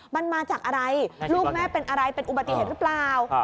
มันมาจากอะไรลูกแม่เป็นอะไรเป็นอุบัติเหตุหรือเปล่า